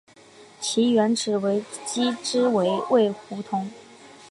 其原址为机织卫胡同。